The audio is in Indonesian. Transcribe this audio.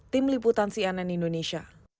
tim liputan cnn indonesia